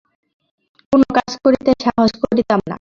কোন কাজ করিতে সাহস করিতাম না।